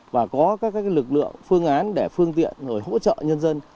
và có các lực lượng phương án để phương tiện rồi hỗ trợ nhân dân